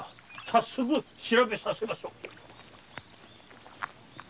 早速調べさせましょう。